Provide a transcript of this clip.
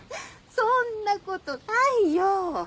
そんな事ないよ！